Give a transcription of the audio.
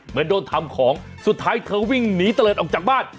เหมือนโดนทำของสุดท้ายเธอวิ่งหนีเตลิศออกจากบ้าน